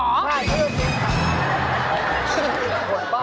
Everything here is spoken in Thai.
ใช่เครื่องดำน้ำ